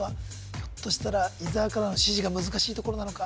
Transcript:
ひょっとしたら伊沢からの指示が難しいところなのか？